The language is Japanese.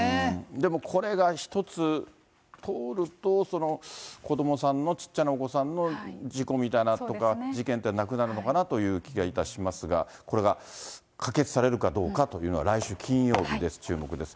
でもこれがひとつ、通ると、子どもさんの、ちっちゃなお子さんの事故みたいなのとか、事件ってなくなるのかなって気がいたしますが、これが可決されるかどうかというのは来週金曜日です、注目です。